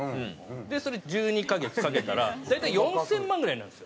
でそれ１２カ月かけたら大体４０００万ぐらいになるんですよ。